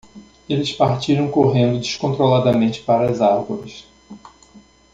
Eles partiram correndo descontroladamente para as árvores.